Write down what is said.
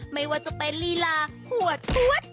ไม่ว่าจะเป็นลีลาหัวพวด